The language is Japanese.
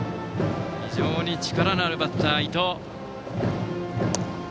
非常に力のあるバッター、伊藤。